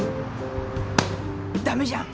ダメじゃん。